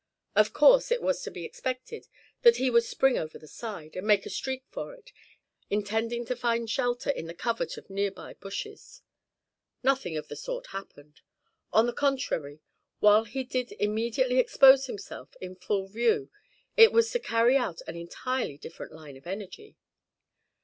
Of course it was to be expected that he would spring over the side, and make a streak for it, intending to find shelter in the covert of nearby bushes. Nothing of the sort happened. On the contrary, while he did immediately expose himself in full view it was to carry out an entirely different line of energy.